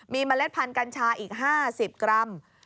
มีเมล็ดพันธุ์กัญชาอีก๕๐กรัม